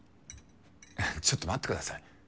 ちょっと待って下さい。